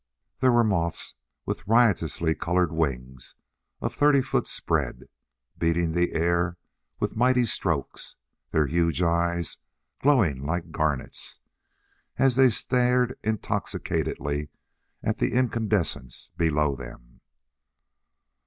There were moths with riotously colored wings of thirty foot spread, beating the air with mighty strokes, their huge eyes glowing like garnets as they stared intoxicatedly at the incandescence below them.